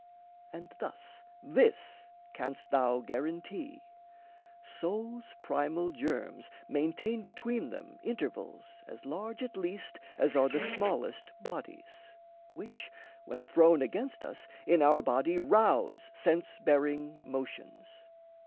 And thus This canst thou guarantee: soul's primal germs Maintain between them intervals as large At least as are the smallest bodies, which, When thrown against us, in our body rouse Sense bearing motions.